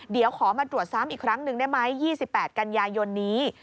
เดี๋ยวขอมาตรวจซ้ำอีกครั้งหนึ่งได้ไหม๒๘กันยายนนี้